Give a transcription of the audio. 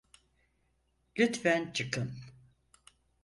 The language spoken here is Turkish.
Lütfen çıkın.